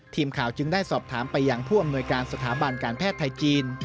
ทีมข่าวจึงได้สอบถามไปยังผู้อำนวยการสถาบันการแพทย์ไทยจีน